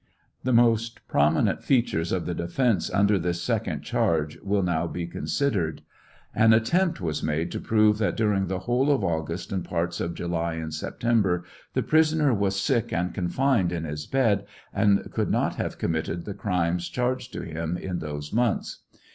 The most prominent features of the defence under this second charge will now be considered : An attempt was made to prove that during the whole of August &nj parts of July and September the prisoner was sick and confined to his bed, and could not have committed the crimes charged to him in those months.